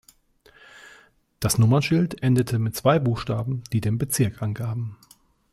Das Nummernschild endete mit zwei Buchstaben, die den Bezirk angaben.